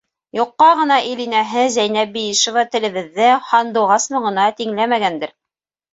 Юҡҡа ғына ил инәһе Зәйнәб Биишева телебеҙҙе һандуғас моңона тиңләмәгәндер!